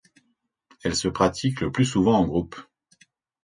Elles se pratiquent le plus souvent en groupe.